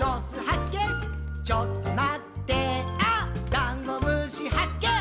ダンゴムシはっけん